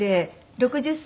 ６０歳。